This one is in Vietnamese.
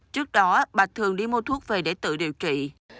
trước đó bà thường đi mua thuốc về để tự điều trị